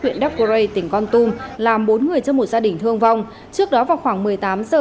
huyện đắk rê tỉnh con tum làm bốn người trong một gia đình thương vong trước đó vào khoảng một mươi tám giờ